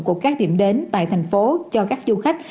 của các điểm đến tại thành phố cho các du khách